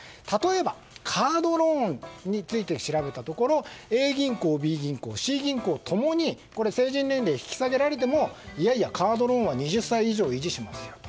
例えばカードローンについて調べたところＡ銀行、Ｂ銀行、Ｃ銀行ともに成人年齢が引き下げられてもいやいや、カードローンは２０歳以下を維持します。